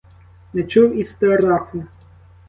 Не чув і страху.